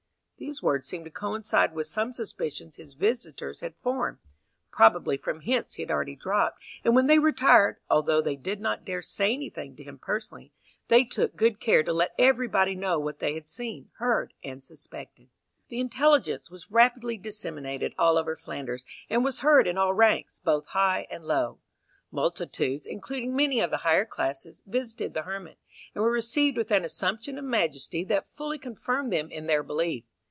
These words seemed to coincide with some suspicions his visitors had formed, probably from hints he had already dropped; and when they retired, although they did not dare say anything to him personally, they took good care to let everybody know what they had seen, heard, and suspected. The intelligence was rapidly disseminated all over Flanders, and was heard in all ranks, both high and low. Multitudes, including many of the higher classes, visited the hermit, and were received with an assumption of majesty that fully confirmed them in their belief.